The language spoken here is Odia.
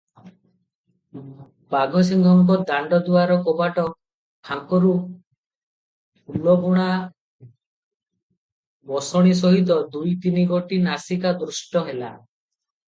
ବାଘସିଂହଙ୍କ ଦାଣ୍ତଦୁଆର କବାଟ ଫାଙ୍କରୁ ଫୁଲଗୁଣା ବସଣି ସହିତ ଦୁଇ ତିନିଗୋଟି ନାସିକା ଦୃଷ୍ଟ ହେଲା ।